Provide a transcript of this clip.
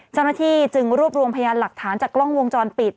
เจ้าหน้าที่จึงรวบรวมพยานหลักฐานจากกล้องวงจรปิด